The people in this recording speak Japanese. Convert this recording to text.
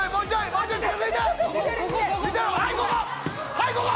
はいここ！